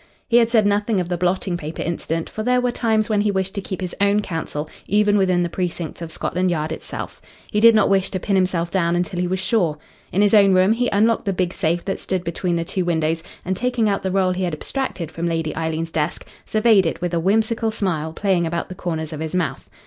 He had said nothing of the blotting paper incident, for there were times when he wished to keep his own counsel even within the precincts of Scotland Yard itself. He did not wish to pin himself down until he was sure. In his own room, he unlocked the big safe that stood between the two windows, and taking out the roll he had abstracted from Lady Eileen's desk, surveyed it with a whimsical smile playing about the corners of his mouth.